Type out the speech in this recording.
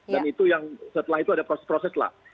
dan itu yang setelah itu ada proses proses lah